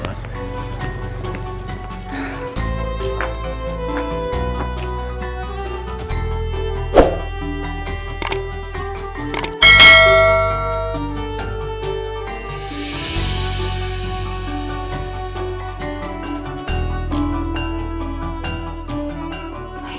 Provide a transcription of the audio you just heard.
kita mau ke rumah